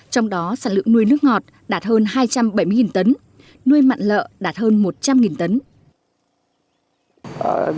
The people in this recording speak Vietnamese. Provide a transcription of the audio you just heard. trong đó sản lượng nuôi nước ngọt đạt hơn hai trăm bảy mươi tấn nuôi mặn lợ đạt hơn một trăm linh tấn